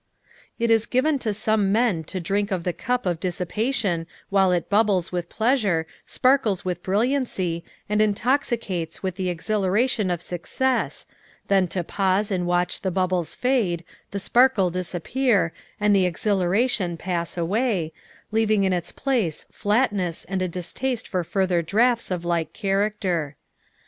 It is given to some men to drink of the cup of dissi pation while it bubbles with pleasure, sparkles with brilliancy, and intoxicates with the exhilaration of suc cess, then to pause and watch the bubbles fade, the sparkle disappear, and the exhilaration pass away, leaving in its place flatness and a distaste for further draughts of like character.